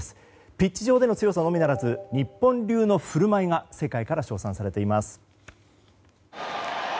ピッチ上での強さのみならず日本流の振る舞いが世界から称賛されています。